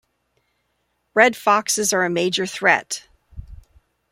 Red foxes are a major threat.